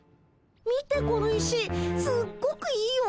見てこの石すっごくいいよ。